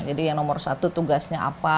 jadi yang nomor satu tugasnya apa